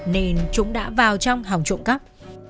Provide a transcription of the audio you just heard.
nên chúng đã vào trong hàng trộm cắp